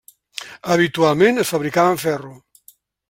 Habitualment es fabricava en ferro.